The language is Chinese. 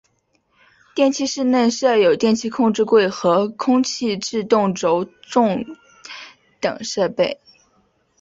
电气室内设有电气控制柜和空气制动轴重等设备。